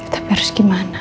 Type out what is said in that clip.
tapi harus gimana